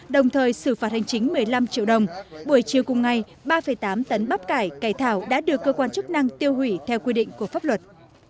đồng thời xử phạt hành chính một mươi năm triệu đồng buổi chiều cùng ngày ba tám tấn bắp cải thảo đã được cơ quan chức năng tiêu hủy theo quy định của pháp luật